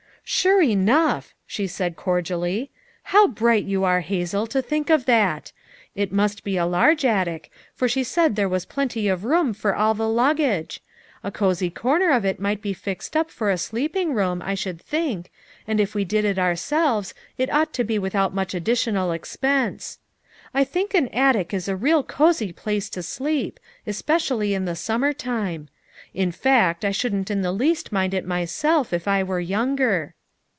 "Sure enough!" she. said cordially. "How bright you are, Hazel, to think of that. It must be a large attic, for she said there was plenty of room for all the luggage. A cosy corner of it might be fixed up for a sleeping room, I should think, and if we did it ourselves, it ought to be without much additional expense. I think an attic is a real cosy place to sleep, especially in the summer time. In fact, I shouldn't in the least mind it myself if I were younger."